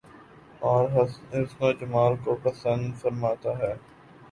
اور حسن و جمال کو پسند فرماتا ہے